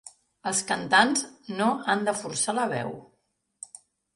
Els cantants no han de forçar la veu.